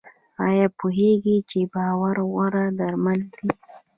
ایا پوهیږئ چې باور غوره درمل دی؟